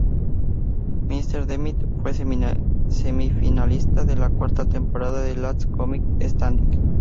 McDermitt fue semifinalista de la cuarta temporada de "Last Comic Standing".